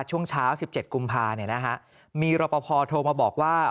ช่วงเช้า๑๗กุมภามีรปภโทรมาบอกว่า